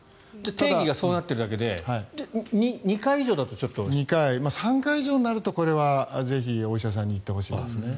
定義がそうなっているだけで３回以上になるとこれはぜひ、お医者さんに行ってほしいですね。